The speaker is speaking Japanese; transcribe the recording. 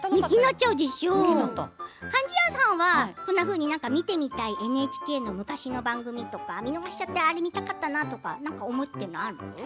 貫地谷さんはこんなふうに見てみたいＮＨＫの昔の番組とか見逃しちゃったあれ見たかったなとか思っているのある？